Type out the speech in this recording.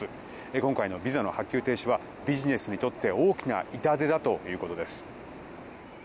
今回のビザの発給の停止はビジネスにとって大きな痛手だということです。